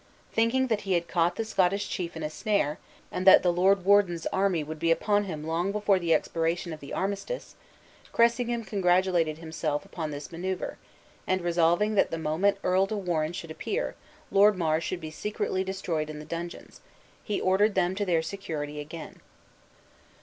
Thinking that he had caught the Scottish chief in a snare, and that the lord warden's army would be upon him long before the expiration of the armistice, Cressingham congratulated himself upon this maneuver; and resolving that the moment Earl de Warenne should appear, Lord Mar should be secretly destroyed in the dungeons, he ordered them to their security again.